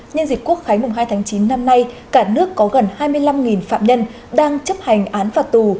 nhân dịp quốc khánh mùng hai tháng chín năm nay cả nước có gần hai mươi năm phạm nhân đang chấp hành án phạt tù